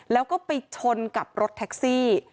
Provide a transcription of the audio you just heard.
แล้วก็ไปชนกับรถแท็กซี่